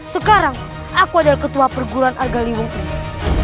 sekarang aku adalah ketua perguruan agaliwung ini